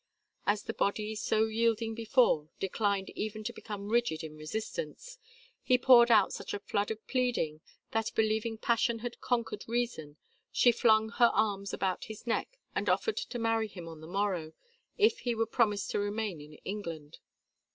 As the body, so yielding before, declined even to become rigid in resistance, he poured out such a flood of pleading that, believing passion had conquered reason, she flung her arms about his neck and offered to marry him on the morrow if he would promise to remain in England.